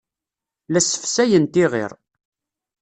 La ssefsayent iɣir.